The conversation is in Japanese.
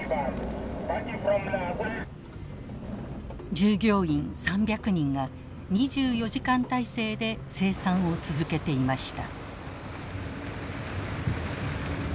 従業員３００人が２４時間体制で生産を続けていました。